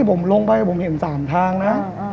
ผมลงไปผมเห็น๓ทางนะ